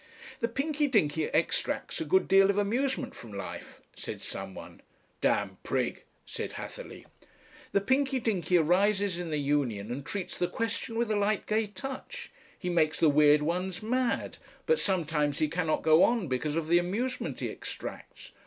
"The Pinky Dinky extracts a good deal of amusement from life," said some one. "Damned prig!" said Hatherleigh. "The Pinky Dinky arises in the Union and treats the question with a light gay touch. He makes the weird ones mad. But sometimes he cannot go on because of the amusement he extracts."